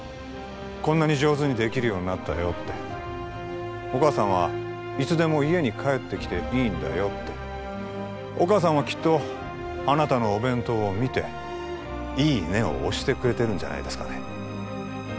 こんなに上手にできるようになったよってお母さんはいつでも家に帰ってきていいんだよってお母さんはきっとあなたのお弁当を見て「いいね！」を押してくれているんじゃないですかね